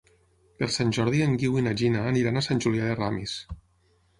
Per Sant Jordi en Guiu i na Gina aniran a Sant Julià de Ramis.